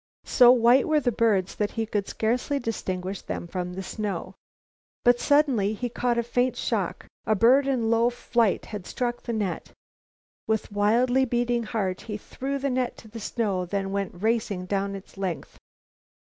So white were the birds that he could scarcely distinguish them from the snow. But, suddenly, he caught a faint shock. A bird in low flight had struck the net. With wildly beating heart, he threw the net to the snow, then went racing down its length.